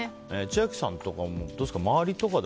千秋さんとか、どうですか？